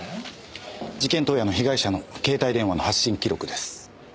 事件当夜の被害者の携帯電話の発信記録です。